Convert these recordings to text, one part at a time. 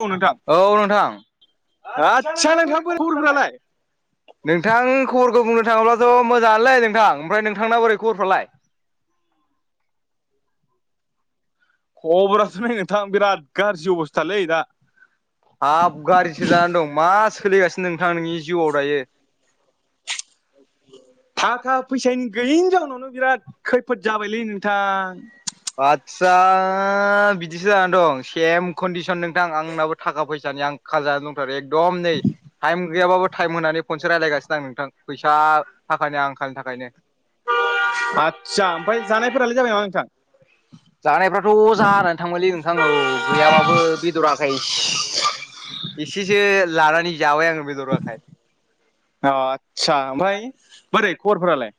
औ नोंथां औ नोंथां आ आदसा नोंथां बोरै नोंथ नालाय खबरफोरालाय नोंथां खबरखौ बुंनो थाङोब्लाथ' मोजाङलै नोंथां ओमफ्राय नोंथांना बोरै खबरफ्रालाय खबराथ' नाय नोंथां बिराद गाज्रि अबस्थालै दा हाब गारिसो जानानै दं मा सोलिगासिनो नोंथां नोंनि जिउआव दायो थाखा फैसानि गैयैनि जाउनावनो बिराद खैफोद जाबायलै नोंथां आचसा बिदिसो जानानै दं। सेम कन्दिसन नोंथां आंनाबो थाखा फैसानि आं ख जानानै दंथारो एकदम नै टाइम गैयाबाबो टाइम होनानै खनसे रायज्लायगासिनो आं नोंथां। फैसा थाखानि आंखालनि थाखायनो आस्सा ओमफ्राय जानायफोरालाय जाबाय नामा नोंथां? जानायफ्राथ' जानानै थांबायलै नोंथां औ गैयाबाबो बेदराखायसे एसेसो लानानै जाबाय आङो बेदर आखाय आस्सा ओमफ्राय बोरै खबरफोरालाय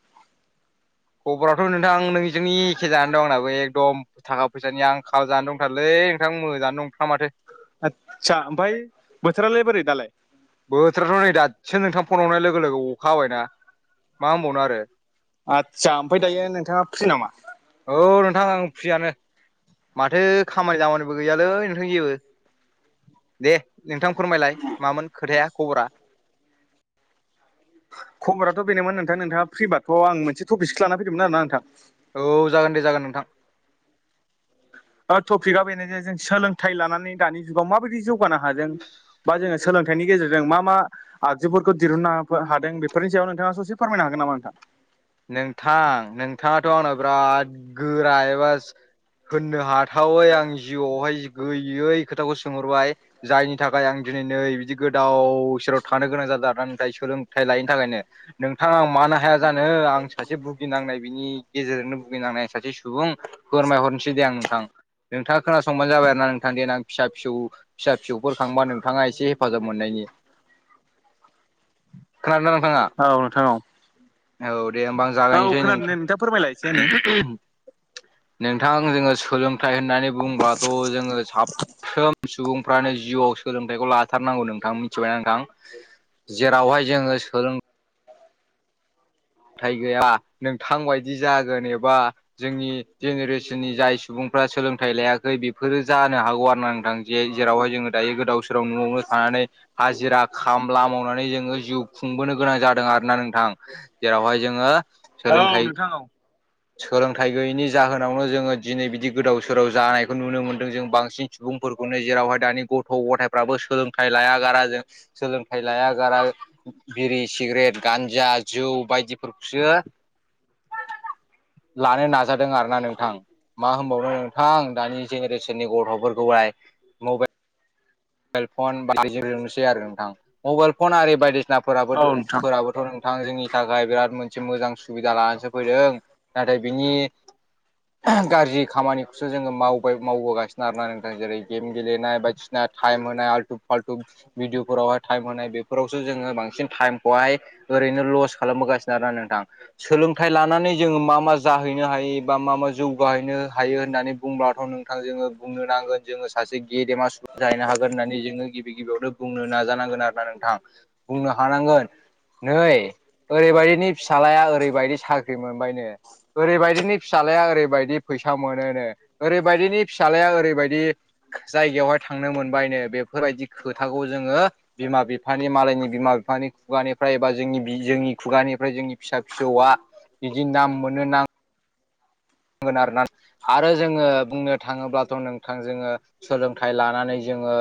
खबराथ' नोंथां नै जोंनि एखे जानानै दंनाबो एकदम थाखा फैसानि आंखाल जानो दंथारलै नोंथां मोजानो दंथ माथो? आदसा ओमफ्राय बोथोरालाय बोरै दालाय? बोथोराथ' नै दासो नोंथां फन हरनाय लोगो लोगो अखा हाबायना। मा होनबावनो आरो आदसा ओमफफ्राय दायो नोंथाङा फ्रि नामा? औ नोंथां आं फ्रियानो। माथो खामानि दामानिबो गैयालै नोंथां जेबो? दे नोंथां फोरमायलाय मामोन खोथाया खबरा? खबराथ' बेनोमोन नोंथां नोंथाङा फ्रि बार्' आं मोनसे टपिकसो लान फैदोंमोन आर ना नोंथां? औ जागोन दे जागोन दे नोंथां। टपिकआ बेनो जे जों सोलोंथाइ लानानै दानि जुगाव माबायदि जौगानो हादों बा जोङो सोलोंथाइनि गेजेरजों मा मा आगजुफोरखौ दिहुननो हादों बेफोरनि सायाव नोंथाङा ससे फोरमायनो हागोन नामा नोंथां? नोंथां नोंथाङाथ' आंनना बिराद गोरा एबा होननो हाथावै आं जिउआवहाय गैयै खोथाखौ सोंहरबाय जायनि नि थाखाय आं दिनै नै बिदि गोदाव सोराव थानो गोनां जादों दा नों ा सोलोंथाइ लायैनि थाखायनो नोंथाङा आं मानो हाया जानो? आं सासे भुगिनांनाय बिनि गेजेरजोंनो भुगिनांनाय सासे सुबुं फोरमायहरनोसै दे आं नोंथां। नोंथाङा खोनासंबानो जाबाय आरो ना नोंथां? देनां आं फिसा फिसौ फिसा फिसौफोर खांबा नोंथाङा एसे हेफाजाब मोननायनि? [unintelligible] खोनादों नोंथाङा औ नोंथां औ। औ दे होमबा आं औ जागायनोसै खोनादों दे नोंथां। नोंथाङा फोरमायलाय एसे नै नोंथां जोंङो सोलोंथाइ होननानै बुंङोब्लाथ' जोंङो साफ्रोम सुबुंफ्रानो जिउआव सोलोंथाइखौ लाथारनांगौ नोंथां मिथिबाय नोंथां? जेरावहाय जोंङो सोलों सोलोंथाय गैया नोंथां बादि जागोन एबा जोंनि जेनेरेसननि जाय सुबुंफ्रा सोलोंथाइ लायाखै फोर जानो हागौ आरो ना नोंथां जे जेरावहाय जोंङो दायो गोदाव सोराव न'आवनो थानानै हाजिरा खामला मावनानै जोंङो जिउ खुंबोनो गोनां जादों। आरोना नोंथां जेरावहाय जोंङो औ सोलोंथाइ नोंथां औ सोलोंथाइ गैयैनि जाहोनावनो जोंङो दिनै बिदि गोदाव सोराव जानायखौ नुनो मोन्दों। जों बांसिन सुबुंफोरखौनो जेरावहाय दानि गथ' गथायफ्राबो सोलोंथाइ लायागारा जों सोलोंथाइ लाया गारा बिरि, सिगारेट, गान्जा, जौ बायदिफोरखौसो लानो नाजादों आरो ना नोंथां। मा होनबावनो नोंथां दानि जेनेरेसननि गथ'फोरखौहाय मबाइल फन बनोसै आरो नोंथां मबाइल फन आरि बायदिसिनाफोराबो औ नोंथां फोराबो थ' नोंथां जोंनि थाखाय बिराद मोनसे मोजां सुबिदा लानानैसो फैदों? नाथाय बिनि गाज्रि खामानिखौसो जोंङो मावबाय मावबोगासिनो आरोना नोंथां? जेरै गेम गेलेनाय बायदिसिना टाइम होनाय आल्टु फाल्थु भिडिअफोरावहाय टाइम होनाय बेफोरावसो जोंङो बांसिन टाइमखौहाय ओरैनो लस खालामबोगासिनो आरोना नोंथां। सोलोंथाइ लानानै जोङो मा मा जाहैनो हायो बा मा मा जौगाहैनो हायो होननानै बुंब्लाथ' नों जोङो बुंनो नांगोन जोङो सासे गेदेमा सुबुं जाहैनो हागोन होननानै जोङो गिबि गिबियावनो बुंनो नाजानांगोन आरो ना नोंथां बुंनो हानांगोन नै ओरैबायदिनि फिसाज्लाया ओरैबायदि साख्रि मोनबायनो ओरैबायदिनि फिसाज्लाया ओरैबायदि फैसा मोनोनो ओरैबायदिनि फिसाज्लाया ओरैबायदि जायगायावहाय थांनो मोनबायनो बेफोरबायदि खोथाखौ जोङो बिमा बिफानि मालायनि बिमा बिफानि खुगानिफ्राय एबा जोंनि जोंनि खुगानिफ्राय जोंनि फिसा फिसौआ बिदि नाम मोनो ना गोन आरो ना आरो जोङो बुंनो थाङोब्लाथ' नोंथां जोङो सोलोंथाइ लानानै जोङो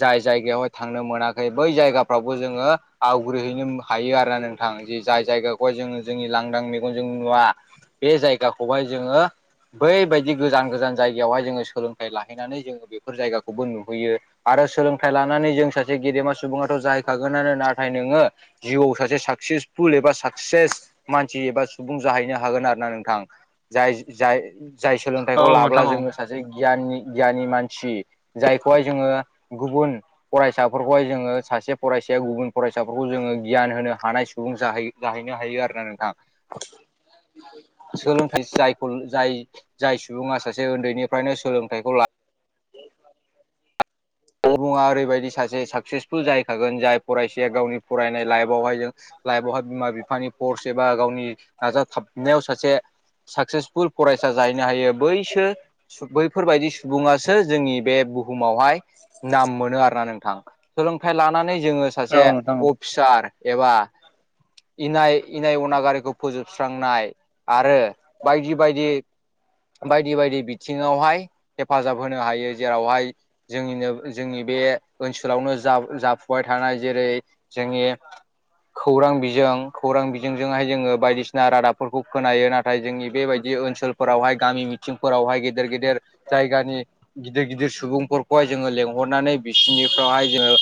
जाय जायगायावहाय थांनो मोनाखै बै जायगाफ्रावबो जोङो आवग्रिहैनो हायो आरोना नोंथां जे जाय जायगाखौहाय जोङो जोंनि लांदां मे जों नुवा बे जायगाखौहाय जोङो बैबायदि गोजान गोजान जायगायावहाय जोङो सोलोंथाइ लाहैनानै जोङो बेफोर जायगाखौबो नुहैयो। आरो सोलोंथाइ लानानै जों सासे गेदेमा सुबुंङाथ' जाहैखागोनानो नाथाय नोङो जिउआव सासे साकसेसफुल एबा साकसेस मानसि एबा सुबुं जाहैनो हागोन आरो ना नोंथां। जाय जाय जाय औ सोलोंथाइखौ लाब्ला नोंथां जोङो औ सासे गियाननि गियानि मानसि जायखौहाय जोङो गुबुन फरायसाफोरखौहाय जोङो सासे फरायसाया गुबुन फरायसाफोरखौ जोङो गियान होनो हानाय सुबुं जाहैयो जाहैनो हायो आरोना नोंथां सोलोंथाइ जायखौ जाय जाय सुबुंआ सासे उन्दैनिफ्रायनो सोलोंथाइखौ ला [inaudible] अबङा ओरैबायदि सासे साक्सेसफुल जाहैखागोन जाय फरायसाया गावनि फरायनाय लाइफआवहाय जों लाइफआवहाय बिमा बिफानि कर्स एबा गावनि नाजाथाबनायाव सासे साक्सेसफुल फरायसा जायो। बैसो बैफोरबायदि सुबुंआसो जोंनि बे बुहुमावहाय नाम मोनो आरोना नोंथां सोलोंथाइ लानानै जोङो सासे औ नोंथां अफिसार एबा इनाय इनाय अना गारिखौ फोजोबस्रांनाय आरो बायदि बायदि बायदि बायदि बि थिङावहाय हेफाजाब होनो हायो जेरावहाय जोंनिनो जोंनि बे ओनसोलावनो जा जाफुबाय थानाय जेरै जोंनि खौरां बिजों खौरां बिजोंजोंहाय जोङो बायदिसिना रादाबफोरखौ खोनायो नाथ थाय जोंनि बेबायदि ओनसोलफोरावहाय गामि मिथिंफोरावहाय गेदेर-गेदेर जायगानि गिदिर-गिदिर सुबुंफोरखौहाय जोङो लेंहरनानै बिसिोरनिफ्राय जोङो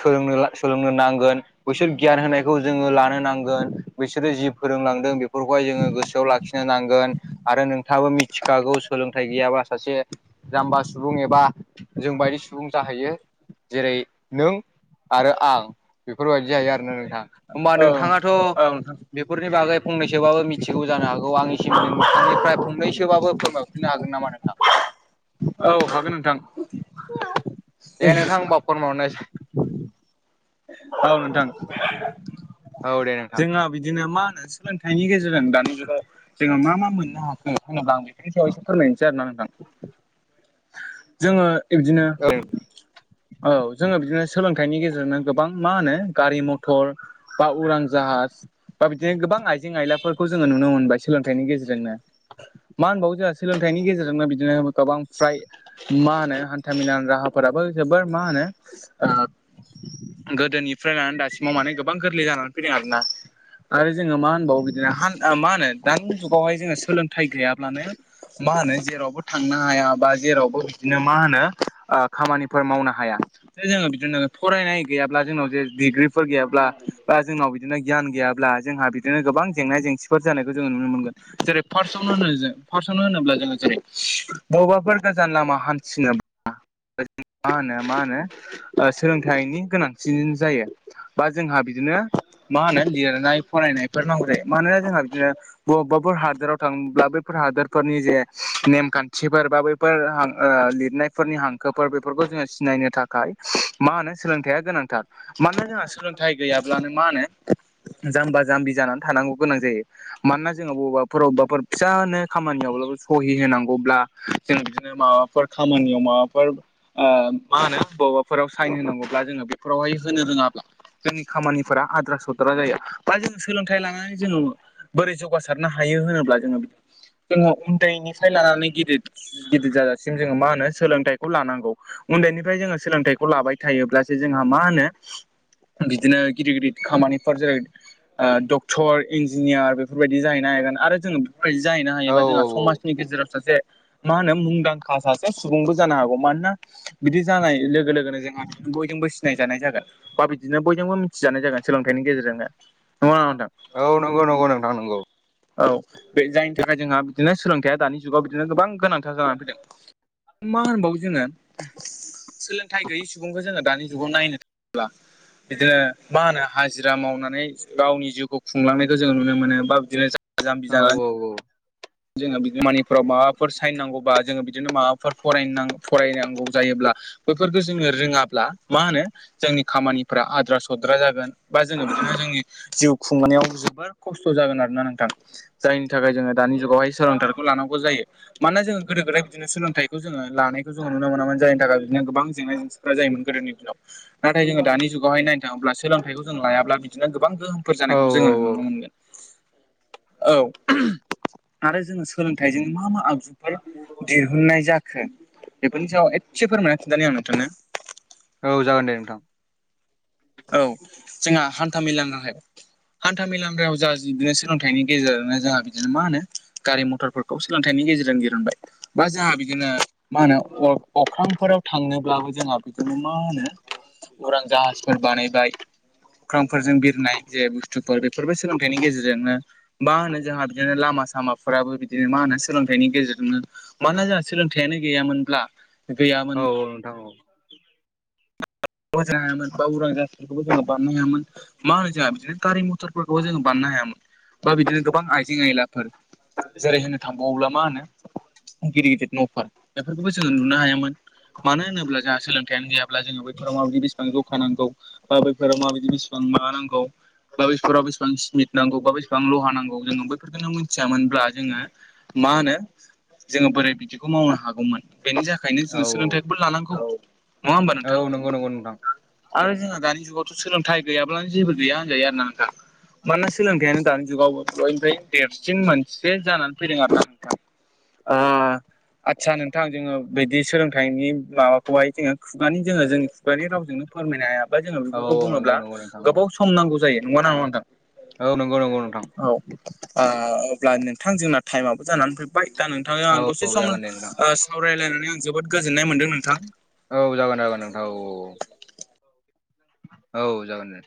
सोलोंनो ला सोलोंनो नांगोन। बैसोर गियान होनायखौ जोङो लानो नांगोन बिसोरो जि फोरोंलांदों बेफोरखौहाय जोङो गोसोआव लाख खिनो नांगोन आरो नोंथाङाबो मिथिखागौ सोलोंथाइ गैयाबा सासे। जाम्बा सुबुं एबा जोंबायदि सुबुं जाहैयो जेरै नों आरो आं बेफोरबायदि जायो आरोना नोंथां होमबा औ नोंथाङाथ'। औ नोंथां बेफोरनि बागै फंनैसोबाबो मिथि थिगौ जानो हागौ आंनिसिम नोंथांनिफ्राय फंनैसोबाबो फोरमायहरफिननो हागोन नामा नोंथां? औ हागोन नों दे नोंथां होमबा फोरमायहरनाय औ नोंथां औ दे नोंथां औ जोंहा बिद दिनो मा होनो सोलोंथाइनि गेजेरजों दानि जुगाव जोङो मा मा मोननो हाखो होनोब्ला आं बेखौ बेनि सायाव एसे फोरमायनोसै आरो ना नोंथां जोङो बिब्दिनो औ जोङो बिदिनो सोलोंथाइनि गेजेरजोंनो गोबां मा होनो गारि- मथर बा उरां जाहाज बा बिदिनो गोबां आइजें आयलाफोरखौ जोङो नुनो मोनबाय सोलोंथाइनि गेजेरजोंनो। मा होनबावो जोंहा सोलोंथाइनि गेजेरजोंनो बिदिनो गोबां फ्राय मा होनो हान्था मेलानि राहाफोराबो जोबोर मा होनो ओ [inaudible] गोदोनिफ्राय लानानै दासिमाव माने गोबां गोरलै जानानै फैदों आरोना। आरो जोङो मा होनबावो बिदिनो हान ओ मा होनो दानि जुगावहाय जोङो सोलोंथाइ गैयाब्लानो मा होनो जेरावबो थांनो हाया बा जेरावबो बिदिनो मा होनो ओ खामानिफोर मावनो हाया। जोङो बिदिनो फरायनाय गैयाब्ला जोंनाव जे डिग्रिफोर गैयाब्ला बा जोंनाव बिद दिनो गियान गैयाब्ला जोंहा बिदिनो गोबां जेंना जेंसिफोर जानायखौ जोङो नुनो मोनगोन। जेरै फार्स्टावनो होनो जों फारस होनोब्ला जोङो जेरै बबेबाफोर गोजान लामा हान्थिनोब्ला मा होनो मा होनो ओ सोलोंथाइनि गोनांथिनिनो जायो। बा जोंहा बिदिनो मा होनो लिरनाय फरायनायफोर नांगौ जायो मानोना जोंहा बिदिनो बबेबाफोर हादोराव थांनोब्ला बैफोर हादोरफोरनि जे नेमखान्थिफोर बा बै फोर हां ओ लिरनायफोरनि हांखोफोर बेफोरखौ जोङो सिनायनो थाखाय मा होनो सोलोंथाइया गोनांथार मानोना जोंहा सोलोंथाइ गैयाब्लानो मा होनो जाम्बा जाम्बि जानानै थानांगौ गोनां जायो मानोना जोंहा बबेबाफोर बबेबाफोर फिसानो खामानियावब्लाबो सहि होनांगौब्ला जों बिदिनो माबाफोर खामानियाव माबाफोर ओ मा होनो बबेबाफोराव साइन होनांगौब्ला जोङो बेफोरावहाय होनो रोङाब्ला जोंनि खामानिफोरा आद्रा सद्रा जायो बा जों सोलोंथाइ लानानै जोङो बोरै जौगासारनो हायो होनोब्ला जोङो जोङो उन्दैनिफ्राय लानानै गिदिर गिदिर जाजासिम जोङो मा होनो सोलोंथाइखौ लानांगौ उन्दैनिफ्राय जोङो सोलोंथाइखौ लाबाय थायोब्लासो जोंहा मा होनो बिदिनो गिदिर गिदिर खामानिफोर जेरै ओ डक्टर इन्जिनियार बेफोरबायदि जाहैनो हागोन आरो जोङो बेफोरबायदि जाहैनो औ हायोबा जोंहा औ समाज नि गेजेराव सासे मा होनो मुंदांखा सासे सुबुंबो जानो हागौ मानोना बिदि जानाय लोगो लोगोनो जोंहा बिदिनो बयजोंबो सि नायजानाय जागोन बा बिदिनो बयजोंबो मिथिजानाय जागोन सोलोंथाइनि गेजेरजोंनो नंगोना नङा नोंथां? औ नंगौं नंगौ नोंथां नों औ बे जायनि थाखाय जोंहा बिदिनो सोलोंथायया दानि जुगाव बिदिनो गोबां गोनांथार जानानै फैदों। मा होनबावो जोङो सोलोंथाइ गैयै सुबुंखौ जोङो दानि जुगाव नायनो थाङोब्ला बिदिनो मा होनो हाजिरा मावनानै गावनि जिउखौ खुंलांनायखौ जोंङो नुनो मोनो बा बिदिनो जामबि औ औ जानानै जोङो बिगोमानिफोराव माबाफोर साइन नांगौबा जोङो बिदिनो माबाफोर फराय फरायनांगौ जायोब्ला बैफोरखौ जोङो रोङाब्ला मा होनो जोंनि खामानिफोरा आद्रा सद्रा जागोन बा जोङो बिदिनो जोंनि जिउ खुंनायाव जोबोर खस्थ' जागोन आरो ना नोंथां जायनि थाखाय जोङो दानि [unintelligible] हाय सोलोंथारखौ लानांगौ जायो। मानोना जोङो गोदो गोदाय बिदिनो सोलोंथाइखौ जोङो लानायखौ जोङो नुनो मोनामोन जायनि थाखाय बिदिनो गोबां जेंना जेंसि जायोमोन गोदोनि दिनाव नाथाय जोङो दानि जुगावहाय नायनो थाङोब्ला सोलोंथाइखौ जों लायाब्ला बिदिनो गोबां गोहोमफोर औ जानायखौ जोङो नुनो मोनगोन। औ। आरो जोङो सोलोंथाइजों मा मा आगजुफोर दिरहुनन्नाय जाखो बेफोरनि सायाव एसे फोरमायसै दानि आं नोंथांनो औ जागोन दे नोंथां। औ जोंहा हान्था मेलानि [unintelligible] हान्था मेला [unintelligible] जा बिदिनो सोलोंथाइनि गेजेरजोंनो जोंहा बिदिनो मा होनो गारि मथरफोरखौ सोलोंथाइनि गेजेरजों दिरहुनबाय बा जोंहा बिदिनो मा होनो अख्रांफोराव थांनोब्लाबो जोंहा बिदिनो मा होनो उरां जाहास फोर बानायबाय अख्रांफोरजों बिरनाय जे बुस्थुफोर बेफोरबो सोलोंथाइनि गेजेरजोंनो मा होनो जोंहा बिदिनो लामा सामाफोराबो बिदिनो मा होनो सोलोंथाइनि गेजेरजोंनो मानोना जोंहा सोलोंथाइयानो गैयामोनब्ला गैयामोन औ नोंथां औ। बोजिनो हायामोन बा उरां जाथिफोरखौबो जोङो बारनो हायामोन। मा होनो जोंहा बिदिनो गारि मथरफोरखौबो जोङो बान्नो हायामोन बा बिदिनो गोबां आइजें आयलाफोर जेरै होनो थांबाव्ला मा होनो गिदिर गिदिर न'फोर बेफोरखौबो जोङो नुनो हायामोन मानो होनोब्ला जोंहा सोलोंथाइयानो गैयाब्ला जोङो बे बेफोराव माबायदि बेसेबां जौखानांगौ बा बैफोराव माबायदि बेसिबां माबा नांगौ बा बेफोराव बेसेबां स्मिट नांगौ बा बेसेबां लहा नांगौ जोङो बैफोरफोरखौनो मिथियामोनब्ला जोङो मा होनो जोङो बोरै बिदिखौ मावनो हागौमोन बेनि जाह ओंखायनो औ जोङो सोलोंथाइबो लानांगौ। नङा होमबा औ नोंथां नंगौ नंगौ नोंथां। आरो जोंहा दानि जुगावथ' सोलोंथाइ गैयाब्लानो जेबो गैया होनजायो आर ना नोंथां। मानोना सोलोंथाइयानो दानि जुगावबो बयनिफ्राय देरसिन मोनसे जानानै फैदों आरो अह आदसा नोंथां जोङो बिदि सोलोंथाइनि माबाखौहाय जोङो खुगानि जोङो जों नि रावजोंनो फोरमायनो हायाबा जोङो औ बेफोरखौ औ नंगौ बुङोब्ला नंगौ नोंथां औ गोबाव सम नांगौ जायो नगौना नङा नोंथां? औ नंगौ नंगौ नोंथां। अह अब्ला नोंथां जोंना टाइमाबबो जानानै फैबाय दा नोंथाङा औ दसे औ सम जागोन दे नोंथां सावरायलायनानै आं जोबोद गोजोननाय मोनदों नोंथां। औ जागोन जागोन नोंथां औ औ। औ जागोनदे।